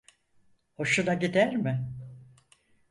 Hoşuna gider mi?